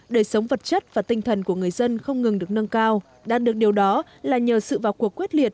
đời sống vật chất và tinh thần của người dân không ngừng được nâng cao đạt được điều đó là nhờ sự vào cuộc quyết liệt